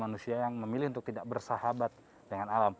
manusia yang memilih untuk tidak bersahabat dengan alam